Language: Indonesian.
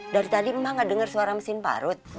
dari tadi mbak gak denger suara mesin parut